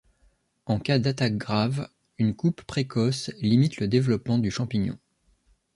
En cas d'attaque grave, une coupe précoce limite le développement du champignon.